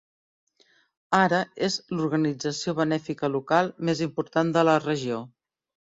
Ara és l'organització benèfica local més important de la regió.